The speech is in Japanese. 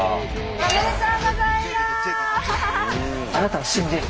おめでとうございます！